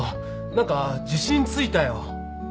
何か自信ついたよ。